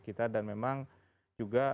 kita dan memang juga